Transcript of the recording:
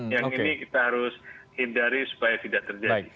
yang ini kita harus hindari supaya tidak terjadi